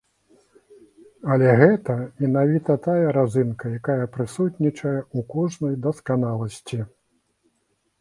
Але гэта менавіта тая разынка, якая прысутнічае ў кожнай дасканаласці.